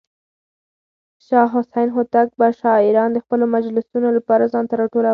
شاه حسين هوتک به شاعران د خپلو مجلسونو لپاره ځان ته راټولول.